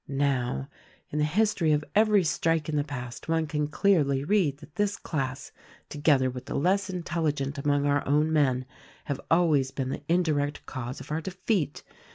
"Now, in the history of every strike in the past one can clearly read that this class — together with the less intelli gent among our own men — have always been the indirect cause of our defeat.